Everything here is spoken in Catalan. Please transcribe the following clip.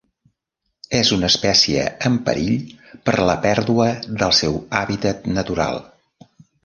És una espècie en perill per la pèrdua del seu hàbitat natural.